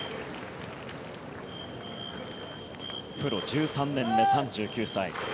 プロ１３年目、３９歳。